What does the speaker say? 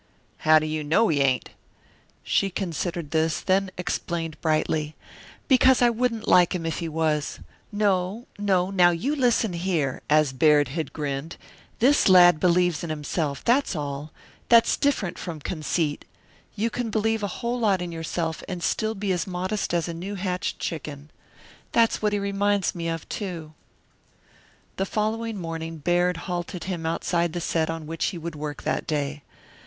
"How do you know he ain't?" She considered this, then explained brightly, "Because I wouldn't like him if he was. No, no now you listen here" as Baird had grinned. "This lad believes in himself, that's all. That's different from conceit. You can believe a whole lot in yourself, and still be as modest as a new hatched chicken. That's what he reminds me of, too." The following morning Baird halted him outside the set on which he would work that day.